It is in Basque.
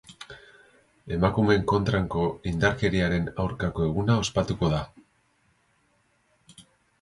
Emakumeen kontrako indarkeriaren aurkako eguna ospatuko da.